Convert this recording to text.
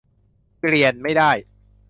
เปลี่ยนไม่ได้